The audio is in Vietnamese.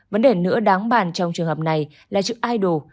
vấn đề nữa đáng bàn trong trường hợp này là chữ idol